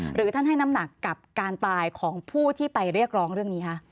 หรือท่านให้น้ำหนักกับการตายของผู้ที่ไปเรียกร้องเรื่องนี้คะ